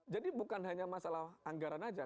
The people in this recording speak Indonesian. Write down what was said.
jadi bukan hanya masalah anggaran aja